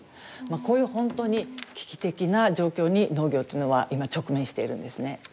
まあこういう本当に危機的な状況に農業というのは今直面しているんですね。